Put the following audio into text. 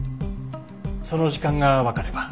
その時間がわかれば。